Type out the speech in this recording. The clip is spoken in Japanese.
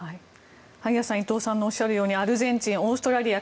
萩谷さん伊藤さんのおっしゃるとおりアルゼンチン、オーストラリア